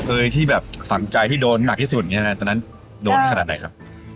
เอ๊ยที่แบบฝังใจที่โดนหนักที่สุดตอนนั้นโดนขนาดไหนครับ